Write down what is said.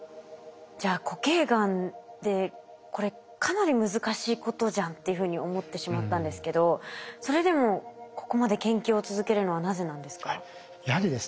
じゃあ固形がんってこれかなり難しいことじゃんというふうに思ってしまったんですけどそれでもここまで研究を続けるのはなぜなんですか？